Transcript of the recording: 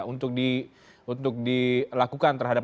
untuk dilakukan terhadap